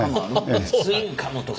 ツインカムとか。